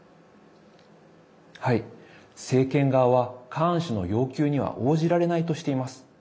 政権側は、カーン氏の要求には応じられないとしています。